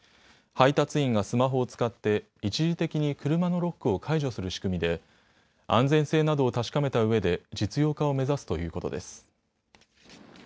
配達員がスマホを使って一時的に車のロックを解除する仕組みで安全性などを確かめたうえで実用化を目指すということです。